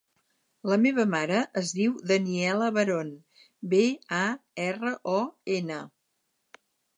La meva mare es diu Daniela Baron: be, a, erra, o, ena.